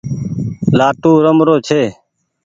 لآٽون رمرو ڇي۔